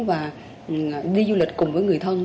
và đi du lịch cùng với người thân